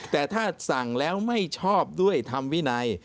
แต่ถ้าสั่งแล้วไม่ชอบด้วยธรรมวินัย